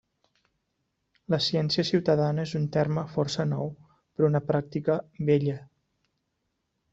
La ciència ciutadana és un terme força nou però una pràctica vella.